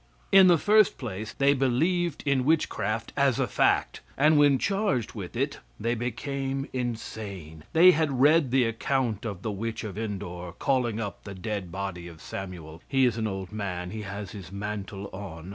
In the first place, they believed in witchcraft as a fact, and when charged with it, they became insane. They had read the account of the witch of Endor calling up the dead body of Samuel. He is an old man; he has his mantle on.